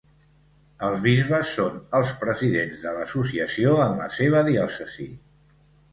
Els bisbes són els presidents de l'associació en la seva diòcesi.